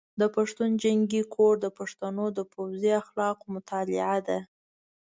د پښتون جنګي کوډ د پښتنو د پوځي اخلاقو مطالعه ده.